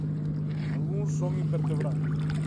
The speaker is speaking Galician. Algúns son invertebrados.